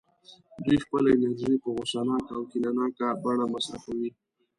دوی خپله انرژي په غوسه ناکه او کینه ناکه بڼه مصرفوي